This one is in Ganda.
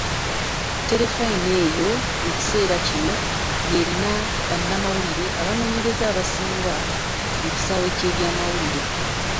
Terefayina eyo mu kiseera kino y'erina bannamawulire abanoonyereza abasinga mu kisaawe ky'eby'amawulire.